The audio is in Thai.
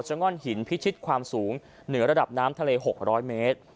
ง่อนหินพิชิตความสูงเหนือระดับน้ำทะเล๖๐๐เมตร